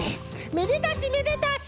めでたしめでたし！